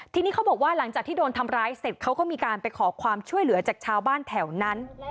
ทีนี้เขาบอกว่าหลังจากที่โดนทำร้ายเสร็จเขาก็มีการไปขอความช่วยเหลือจากชาวบ้านแถวนั้น